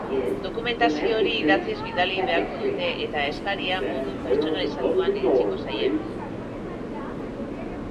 Dokumentazio hori idatziz bidali beharko dute eta eskaria modu pertsonalizatuan iritsiko zaie.